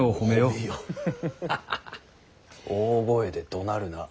「大声でどなるな。